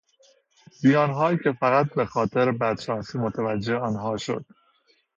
زیانهایی که فقط به خاطر بدشانسی متوجه آنها شد.